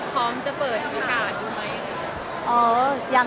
พร้อมจะเปิดอีกอรุณาชีวิตไหม